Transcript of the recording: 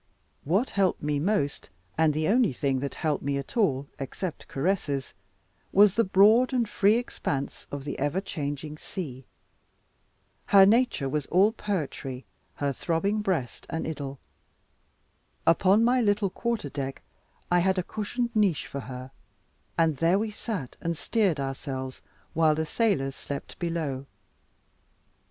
What helped me most, and the only thing that helped me at all, except caresses, was the broad and free expanse of the ever changing sea. Her nature was all poetry, her throbbing breast an Idyl. Upon my little quarter deck I had a cushioned niche for her, and there we sat and steered ourselves while the sailors slept below.